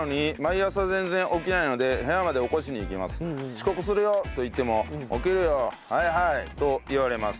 「遅刻するよ」と言っても「起きるよはいはい」と言われます。